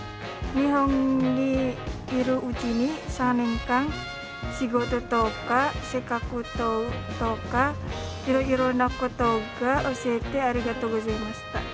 日本にいるうちに３年間仕事とか生活とかいろいろなことが教えてありがとうございました。